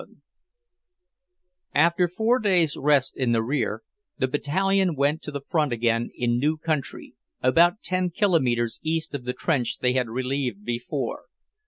XI After four days' rest in the rear, the Battalion went to the front again in new country, about ten kilometers east of the trench they had relieved before.